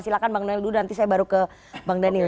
silahkan bang daniel dulu nanti saya baru ke bang daniel